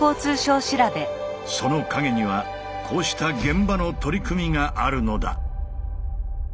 その陰にはこうした現場の取り組みがあるのだ。